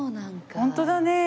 ホントだね。